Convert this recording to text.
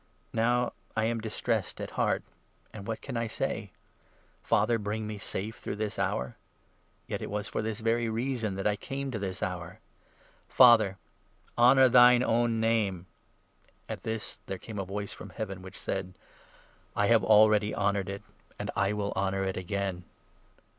Now 1 am distressed 27 at heart and what can I say ? Father, bring me safe through this hour — yet it was for this very reason that I came to this hour — Father, honour thine own name." 28 At this there came a voice from Heaven, which said :" I have already honoured it, and I will honour it again."